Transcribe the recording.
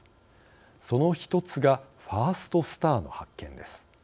その一つがファーストスターの発見です。